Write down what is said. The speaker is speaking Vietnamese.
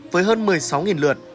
với hơn một mươi sáu lượt